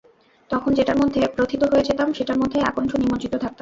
তখন যেটার মধ্যে প্রথিত হয়ে যেতাম, সেটার মধ্যেই আকণ্ঠ নিমজ্জিত থাকতাম।